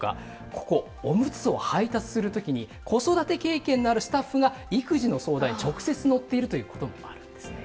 ここおむつを配達する時に子育て経験のあるスタッフが育児の相談に直接乗っているということもあるんですね。